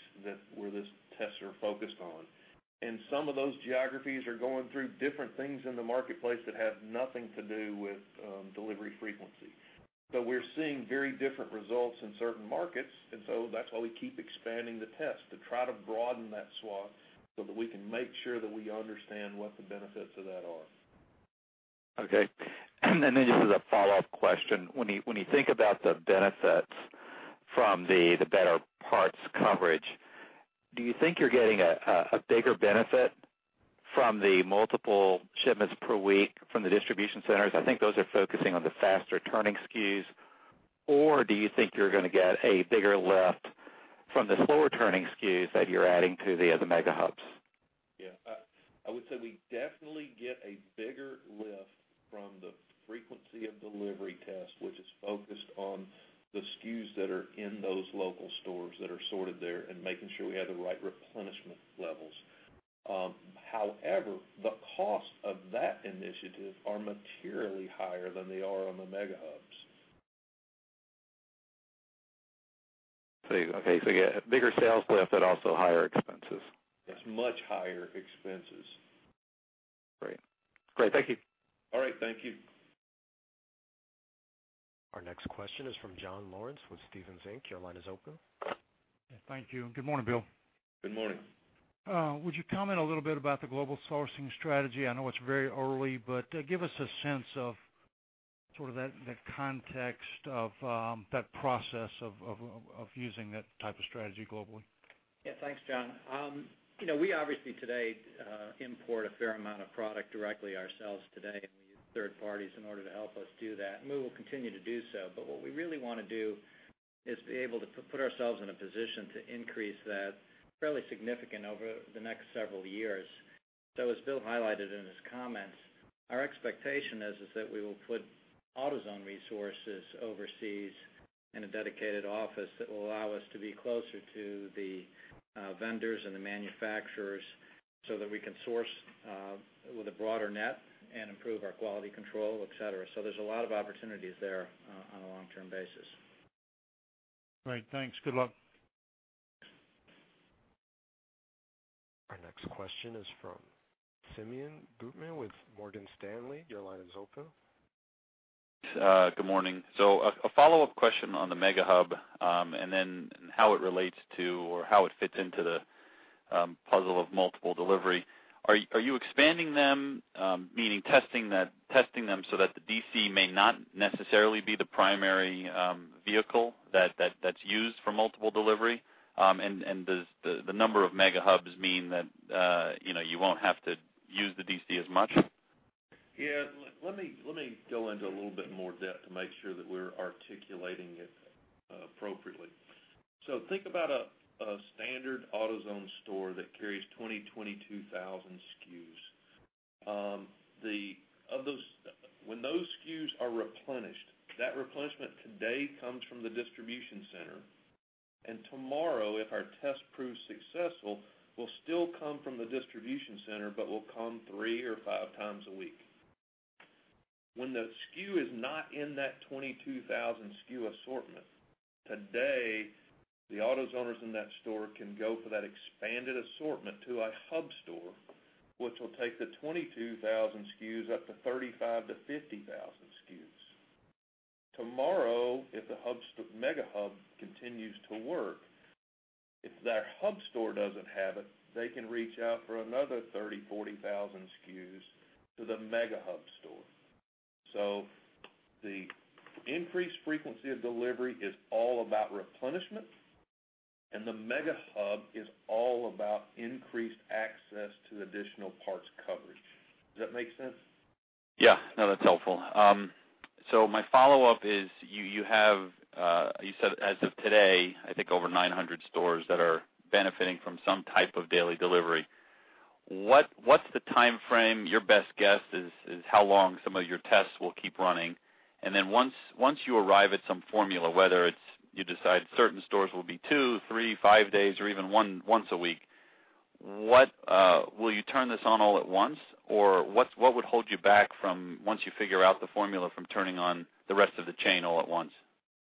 C: where these tests are focused on. Some of those geographies are going through different things in the marketplace that have nothing to do with delivery frequency. We're seeing very different results in certain markets, that's why we keep expanding the test, to try to broaden that swath that we can make sure that we understand what the benefits of that are.
F: Okay. Just as a follow-up question, when you think about the benefits from the better parts coverage, do you think you're getting a bigger benefit from the multiple shipments per week from the distribution centers? I think those are focusing on the faster-turning SKUs. Or do you think you're going to get a bigger lift from the slower-turning SKUs that you're adding to the other Mega Hubs?
C: Yeah. I would say we definitely get a bigger lift from the frequency of delivery tests, which is focused on the SKUs that are in those local stores that are sorted there and making sure we have the right replenishment levels. However, the cost of that initiative are materially higher than they are on the Mega Hubs.
F: Okay, you get bigger sales lift but also higher expenses.
C: It's much higher expenses.
F: Great. Thank you.
C: All right. Thank you.
A: Our next question is from John Lawrence with Stephens Inc. Your line is open.
G: Thank you. Good morning, Bill.
C: Good morning.
G: Would you comment a little bit about the global sourcing strategy? I know it's very early, but give us a sense of sort of the context of that process of using that type of strategy globally.
C: Yeah. Thanks, John. We obviously today import a fair amount of product directly ourselves today, and we use third parties in order to help us do that. We will continue to do so. What we really want to do is to be able to put ourselves in a position to increase that fairly significantly over the next several years. As Bill highlighted in his comments, our expectation is that we will put AutoZone resources overseas in a dedicated office that will allow us to be closer to the vendors and the manufacturers so that we can source with a broader net and improve our quality control, et cetera. There's a lot of opportunities there on a long-term basis.
G: Great. Thanks. Good luck.
A: Our next question is from Simeon Gutman with Morgan Stanley. Your line is open.
H: Good morning. A follow-up question on the Mega Hub, and then how it relates to or how it fits into the puzzle of multiple delivery. Are you expanding them, meaning testing them so that the DC may not necessarily be the primary vehicle that's used for multiple delivery? Does the number of Mega Hubs mean that you won't have to use the DC as much?
C: Yeah. Let me go into a little bit more depth to make sure that we're articulating it appropriately. Think about a standard AutoZone store that carries 20,000, 22,000 SKUs. When those SKUs are replenished, that replenishment today comes from the distribution center, tomorrow, if our test proves successful, will still come from the distribution center but will come three or five times a week. When the SKU is not in that 22,000 SKU assortment, today, the AutoZoners in that store can go for that expanded assortment to a hub store Which will take the 22,000 SKUs up to 35,000-50,000 SKUs. Tomorrow, if the Mega Hub continues to work, if their hub store doesn't have it, they can reach out for another 30,000 or 40,000 SKUs to the Mega Hub store. The increased frequency of delivery is all about replenishment, the Mega Hub is all about increased access to additional parts coverage. Does that make sense?
H: No, that's helpful. My follow-up is, you said as of today, I think over 900 stores that are benefiting from some type of daily delivery. What's the timeframe, your best guess is how long some of your tests will keep running? Once you arrive at some formula, whether it's you decide certain stores will be two, three, five days, or even once a week, will you turn this on all at once? What would hold you back from once you figure out the formula from turning on the rest of the chain all at once?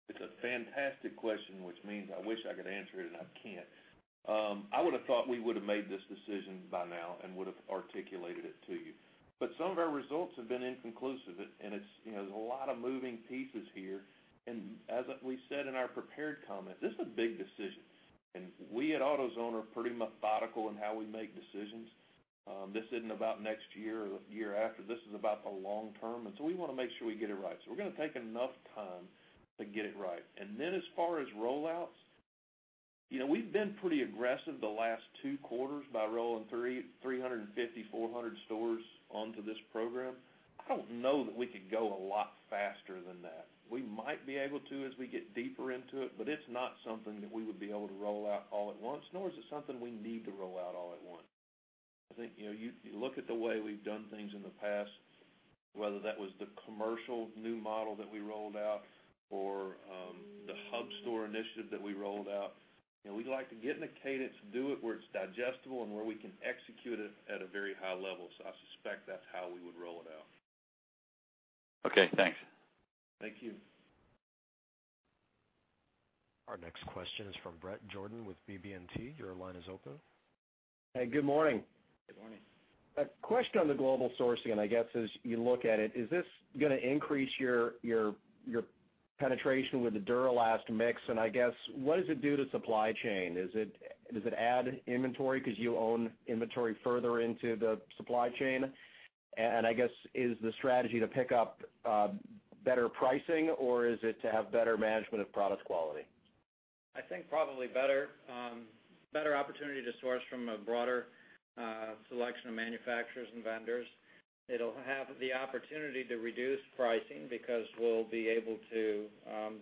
C: It's a fantastic question, which means I wish I could answer it and I can't. I would've thought we would've made this decision by now and would've articulated it to you. Some of our results have been inconclusive, and there's a lot of moving pieces here. As we said in our prepared comments, this is a big decision, and we at AutoZone are pretty methodical in how we make decisions. This isn't about next year or the year after. This is about the long term, and so we want to make sure we get it right. We're gonna take enough time to get it right. As far as roll-outs, we've been pretty aggressive the last two quarters by rolling 350, 400 stores onto this program. I don't know that we could go a lot faster than that. We might be able to as we get deeper into it, but it's not something that we would be able to roll out all at once, nor is it something we need to roll out all at once. I think, you look at the way we've done things in the past, whether that was the commercial new model that we rolled out or the hub store initiative that we rolled out, we like to get in a cadence and do it where it's digestible and where we can execute it at a very high level. I suspect that's how we would roll it out.
H: Okay, thanks.
C: Thank you.
A: Our next question is from Bret Jordan with BB&T. Your line is open.
I: Hey, good morning.
C: Good morning.
I: A question on the global sourcing, I guess, as you look at it, is this gonna increase your penetration with the Duralast mix? I guess, what does it do to supply chain? Does it add inventory because you own inventory further into the supply chain? I guess, is the strategy to pick up better pricing, or is it to have better management of product quality?
C: I think probably better opportunity to source from a broader selection of manufacturers and vendors. It'll have the opportunity to reduce pricing because we'll be able to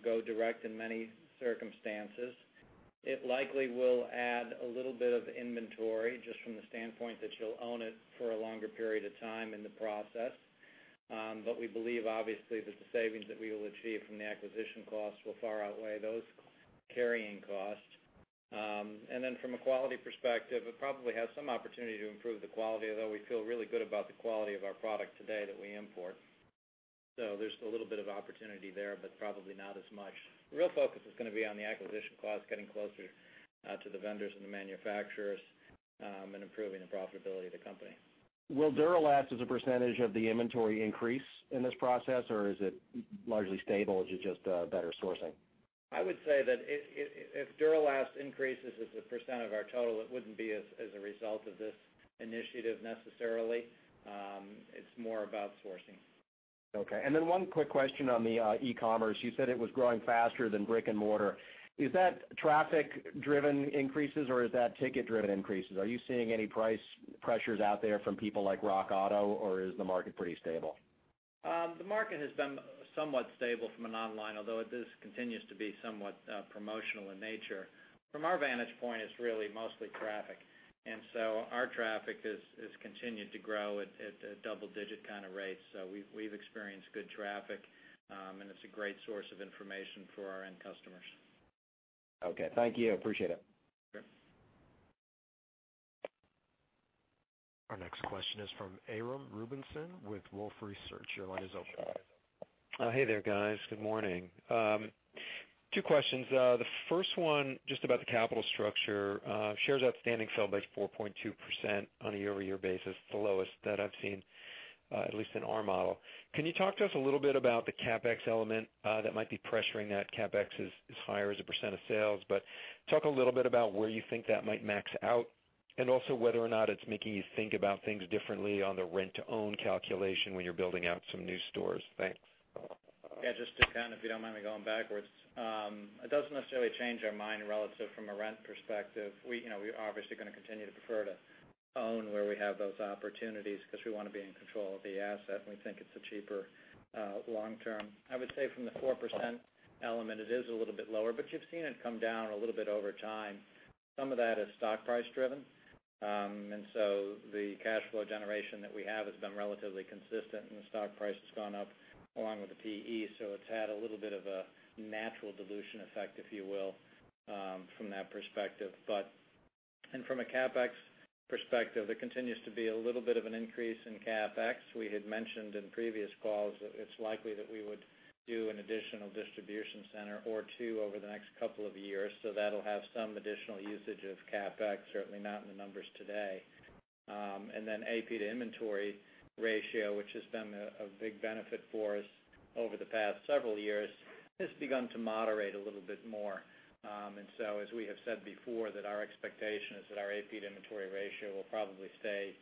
C: go direct in many circumstances. It likely will add a little bit of inventory just from the standpoint that you'll own it for a longer period of time in the process. We believe obviously that the savings that we will achieve from the acquisition costs will far outweigh those carrying costs. Then from a quality perspective, it probably has some opportunity to improve the quality, although we feel really good about the quality of our product today that we import. There's a little bit of opportunity there, but probably not as much. The real focus is gonna be on the acquisition costs, getting closer to the vendors and the manufacturers, and improving the profitability of the company.
I: Will Duralast as a percentage of the inventory increase in this process, or is it largely stable? Is it just better sourcing?
C: I would say that if Duralast increases as a percent of our total, it wouldn't be as a result of this initiative necessarily. It's more about sourcing.
I: Okay. One quick question on the e-commerce. You said it was growing faster than brick and mortar. Is that traffic-driven increases, or is that ticket-driven increases? Are you seeing any price pressures out there from people like RockAuto, or is the market pretty stable?
C: The market has been somewhat stable from an online, although it does continue to be somewhat promotional in nature. From our vantage point, it's really mostly traffic. Our traffic has continued to grow at double-digit kind of rates. We've experienced good traffic, and it's a great source of information for our end customers.
I: Okay. Thank you. Appreciate it.
C: Sure.
A: Our next question is from Aram Rubinson with Wolfe Research. Your line is open.
J: Hey there, guys. Good morning. Two questions. The first one, just about the capital structure. Shares outstanding fell by 4.2% on a year-over-year basis, the lowest that I've seen, at least in our model. Can you talk to us a little bit about the CapEx element that might be pressuring that? CapEx is as high as a % of sales, but talk a little bit about where you think that might max out and also whether or not it's making you think about things differently on the rent-to-own calculation when you're building out some new stores. Thanks.
C: Yeah, just to kind of, if you don't mind me going backwards, it doesn't necessarily change our mind relative from a rent perspective. We are obviously going to continue to prefer to own where we have those opportunities because we want to be in control of the asset, and we think it's cheaper long term. I would say from the 4% element, it is a little bit lower, but you've seen it come down a little bit over time. Some of that is stock price driven. So the cash flow generation that we have has been relatively consistent, and the stock price has gone up along with the PE, so it's had a little bit of a natural dilution effect, if you will, from that perspective. From a CapEx perspective, there continues to be a little bit of an increase in CapEx. We had mentioned in previous calls that it's likely that we would do an additional distribution center or two over the next couple of years, so that'll have some additional usage of CapEx, certainly not in the numbers today.
D: AP to inventory ratio, which has been a big benefit for us over the past several years, has begun to moderate a little bit more. So as we have said before, that our expectation is that our AP to inventory ratio will probably stay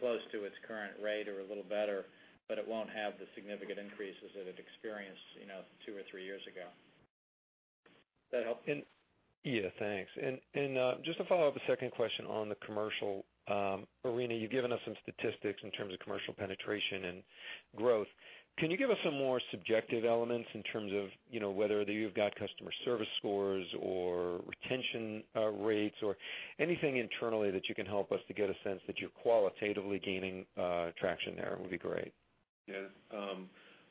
D: close to its current rate or a little better, but it won't have the significant increases that it experienced two or three years ago. That help?
J: Yeah, thanks. Just to follow up a second question on the commercial arena, you've given us some statistics in terms of commercial penetration and growth. Can you give us some more subjective elements in terms of whether you've got customer service scores or retention rates or anything internally that you can help us to get a sense that you're qualitatively gaining traction there would be great.
C: Yes.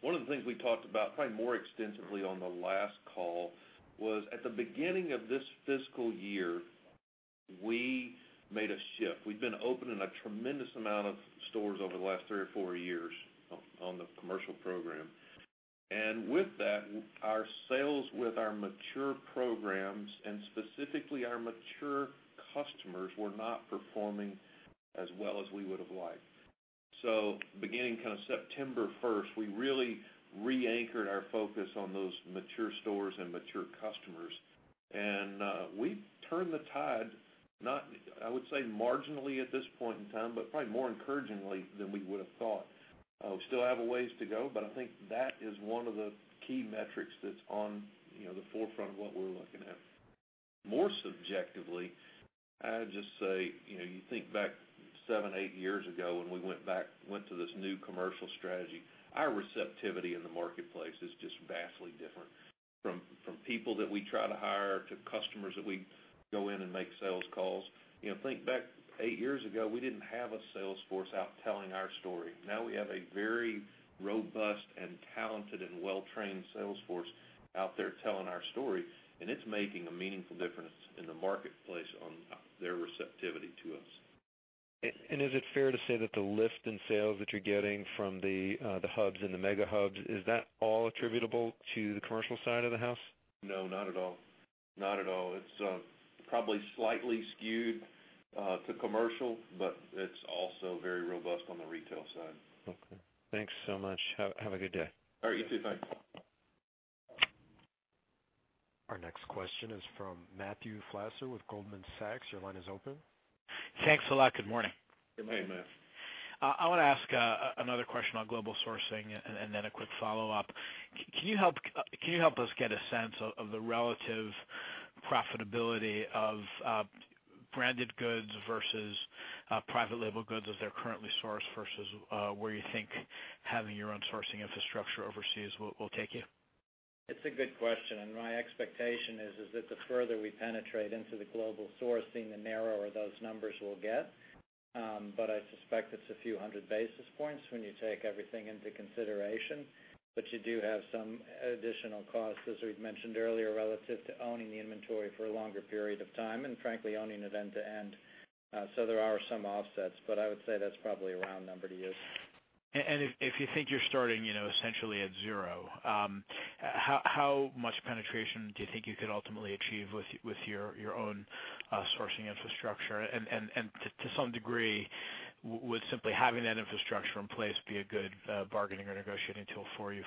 C: One of the things we talked about probably more extensively on the last call was at the beginning of this fiscal year, we made a shift. We've been opening a tremendous amount of stores over the last three or four years on the commercial program. With that, our sales with our mature programs, and specifically our mature customers, were not performing as well as we would have liked. Beginning September 1st, we really reanchored our focus on those mature stores and mature customers. We've turned the tide, I would say marginally at this point in time, but probably more encouragingly than we would have thought. We still have a ways to go, but I think that is one of the key metrics that's on the forefront of what we're looking at. More subjectively, I'd just say, you think back seven, eight years ago when we went to this new commercial strategy, our receptivity in the marketplace is just vastly different from people that we try to hire to customers that we go in and make sales calls. Think back eight years ago, we didn't have a sales force out telling our story. Now we have a very robust and talented and well-trained sales force out there telling our story, and it's making a meaningful difference in the marketplace on their receptivity to us.
J: Is it fair to say that the lift in sales that you're getting from the hubs and the Mega Hubs, is that all attributable to the commercial side of the house?
C: No, not at all. It's probably slightly skewed to commercial, but it's also very robust on the retail side.
J: Okay. Thanks so much. Have a good day.
C: All right, you too. Thanks.
A: Our next question is from Matthew Fassler with Goldman Sachs. Your line is open.
K: Thanks a lot. Good morning.
C: Good morning, Matt.
K: I want to ask another question on global sourcing and then a quick follow-up. Can you help us get a sense of the relative profitability of branded goods versus private label goods as they're currently sourced, versus where you think having your own sourcing infrastructure overseas will take you?
D: It's a good question. My expectation is that the further we penetrate into the global sourcing, the narrower those numbers will get. I suspect it's a few hundred basis points when you take everything into consideration. You do have some additional costs, as we've mentioned earlier, relative to owning the inventory for a longer period of time, and frankly, owning it end to end. There are some offsets, but I would say that's probably a round number to use.
K: If you think you're starting essentially at zero, how much penetration do you think you could ultimately achieve with your own sourcing infrastructure? To some degree, would simply having that infrastructure in place be a good bargaining or negotiating tool for you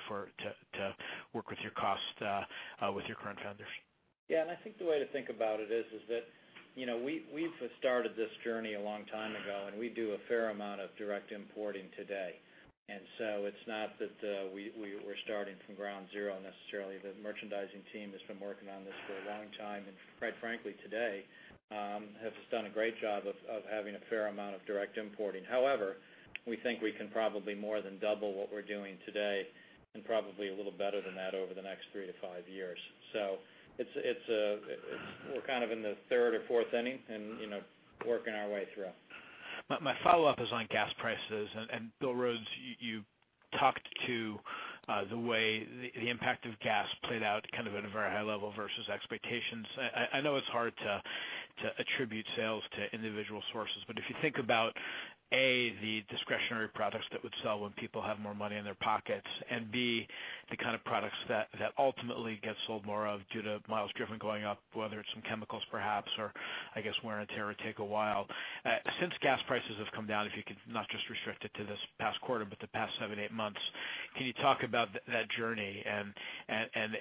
K: to work with your cost with your current vendors?
D: Yeah, I think the way to think about it is that we've started this journey a long time ago, and we do a fair amount of direct importing today. It's not that we're starting from ground zero necessarily. The merchandising team has been working on this for a long time, and quite frankly, today, has done a great job of having a fair amount of direct importing. However, we think we can probably more than double what we're doing today and probably a little better than that over the next three to five years. We're in the third or fourth inning and working our way through.
K: My follow-up is on gas prices, and Bill Rhodes, you talked to the way the impact of gas played out at a very high level versus expectations. I know it's hard to attribute sales to individual sources, but if you think about, A, the discretionary products that would sell when people have more money in their pockets and B, the kind of products that ultimately get sold more of due to miles driven going up, whether it's some chemicals perhaps, or I guess wear and tear would take a while. Since gas prices have come down, if you could not just restrict it to this past quarter, but the past seven, eight months, can you talk about that journey and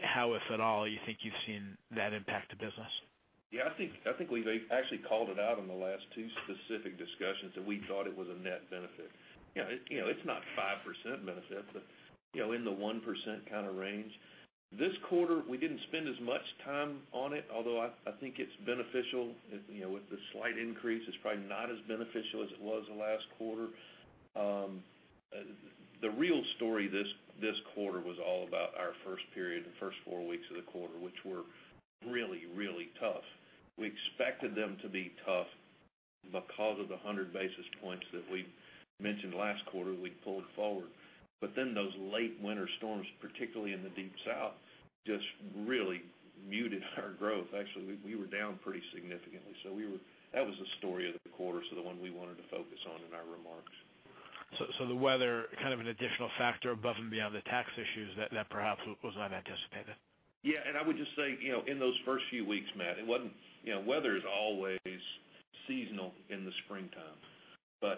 K: how, if at all, you think you've seen that impact the business?
C: Yeah, I think we've actually called it out on the last two specific discussions that we thought it was a net benefit. It's not 5% benefit, but in the 1% range. This quarter, we didn't spend as much time on it, although I think it's beneficial. With the slight increase, it's probably not as beneficial as it was the last quarter. The real story this quarter was all about our first period, the first four weeks of the quarter, which were really tough. We expected them to be tough because of the 100 basis points that we mentioned last quarter we'd pulled forward. Those late winter storms, particularly in the Deep South, just really muted our growth. Actually, we were down pretty significantly. That was the story of the quarter, so the one we wanted to focus on in our remarks.
K: The weather kind of an additional factor above and beyond the tax issues that perhaps was unanticipated?
C: Yeah. I would just say, in those first few weeks, Matt, weather is always seasonal in the springtime.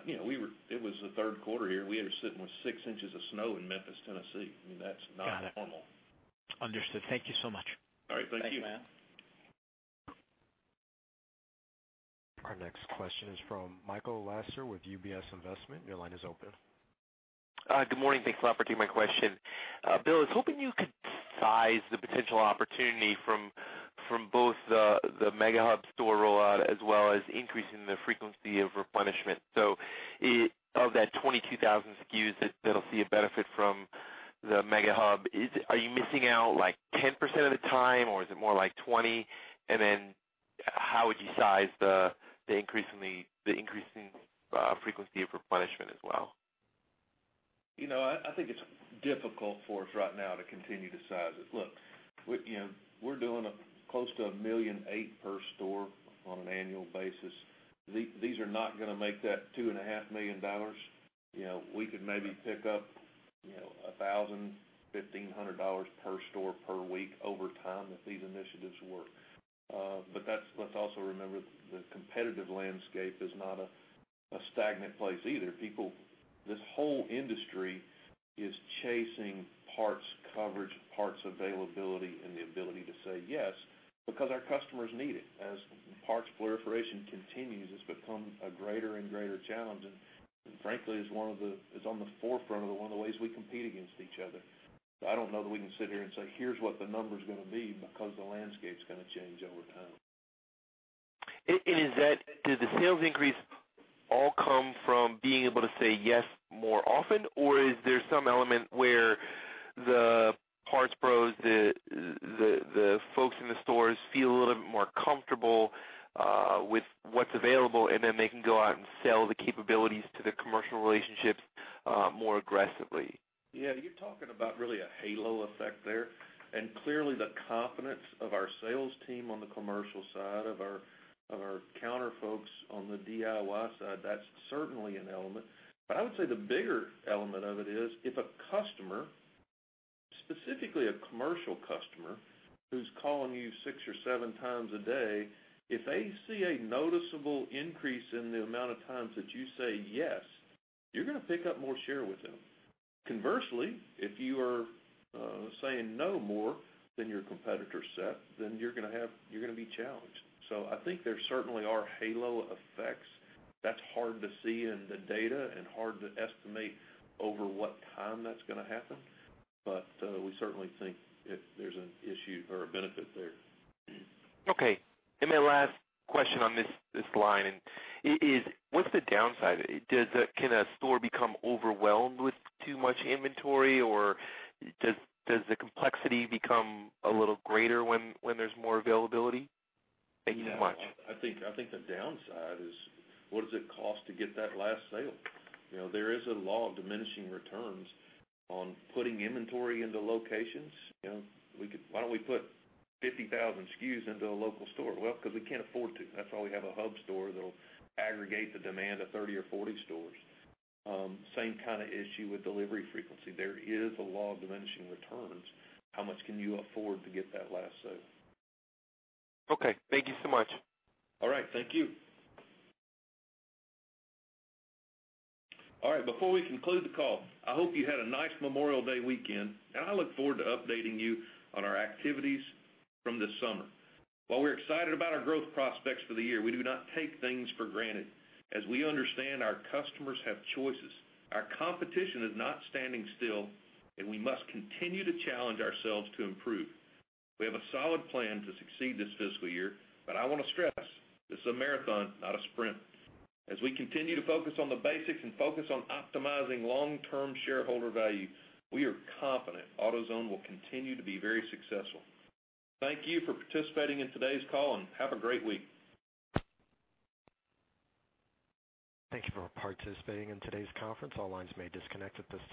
C: It was the third quarter here. We were sitting with six inches of snow in Memphis, Tennessee. I mean, that's not normal.
K: Got it. Understood. Thank you so much.
C: All right. Thank you.
D: Thank you, Matt.
A: Our next question is from Michael Lasser with UBS Investment. Your line is open.
L: Good morning. Thanks for the opportunity for my question. Bill, I was hoping you could size the potential opportunity from both the Mega Hub store rollout as well as increasing the frequency of replenishment. Of that 22,000 SKUs that'll see a benefit from the Mega Hub, are you missing out like 10% of the time or is it more like 20%? And then how would you size the increasing frequency of replenishment as well?
C: I think it's difficult for us right now to continue to size it. Look, we're doing close to $1.8 million per store on an annual basis. These are not gonna make that $2.5 million. We could maybe pick up $1,000, $1,500 per store per week over time if these initiatives work. Let's also remember the competitive landscape is not a stagnant place either. This whole industry is chasing parts coverage, parts availability, and the ability to say yes because our customers need it. As parts proliferation continues, it's become a greater and greater challenge, and frankly, it's on the forefront of one of the ways we compete against each other. I don't know that we can sit here and say, "Here's what the number's gonna be," because the landscape's gonna change over time.
L: Do the sales increase all come from being able to say yes more often, or is there some element where the Parts Pros, the folks in the stores feel a little bit more comfortable with what's available, and then they can go out and sell the capabilities to the commercial relationships more aggressively?
C: Yeah. You're talking about really a halo effect there, and clearly the confidence of our sales team on the commercial side of our counter folks on the DIY side, that's certainly an element. I would say the bigger element of it is if a customer, specifically a commercial customer, who's calling you six or seven times a day, if they see a noticeable increase in the amount of times that you say yes, you're gonna pick up more share with them. Conversely, if you are saying no more than your competitor set, then you're gonna be challenged. I think there certainly are halo effects that's hard to see in the data and hard to estimate over what time that's gonna happen. We certainly think there's an issue or a benefit there.
L: Okay. My last question on this line and it is what's the downside? Can a store become overwhelmed with too much inventory, or does the complexity become a little greater when there's more availability? Thank you so much.
C: Yeah. I think the downside is what does it cost to get that last sale? There is a law of diminishing returns on putting inventory into locations. Why don't we put 50,000 SKUs into a local store? Well, because we can't afford to. That's why we have a hub store that'll aggregate the demand of 30 or 40 stores. Same kind of issue with delivery frequency. There is a law of diminishing returns. How much can you afford to get that last sale?
L: Okay. Thank you so much.
C: All right. Thank you. All right. Before we conclude the call, I hope you had a nice Memorial Day weekend, and I look forward to updating you on our activities from this summer. While we're excited about our growth prospects for the year, we do not take things for granted, as we understand our customers have choices. Our competition is not standing still. We must continue to challenge ourselves to improve. We have a solid plan to succeed this fiscal year. I wanna stress it's a marathon, not a sprint. As we continue to focus on the basics and focus on optimizing long-term shareholder value, we are confident AutoZone will continue to be very successful. Thank you for participating in today's call, and have a great week.
A: Thank you for participating in today's conference. All lines may disconnect at this time.